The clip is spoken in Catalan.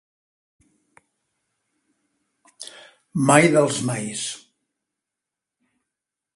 Mai dels mais.